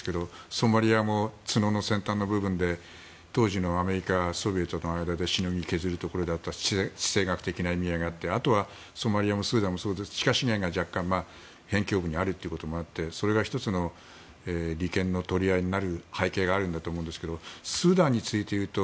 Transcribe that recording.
ソマリアも角の先端部分で当時のアメリカ、ソビエトの間でしのぎを削ることになって地政学的な意味合いがあってあとは、ソマリアもスーダンも地下資源が若干、辺境部にあるということもあってそれで利権の取り合いになる背景にあるんだと思うんですけどスーダンについていうと